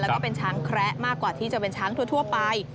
แล้วก็เป็นช้างแคระมากกว่าที่จะเป็นช้างทั่วไป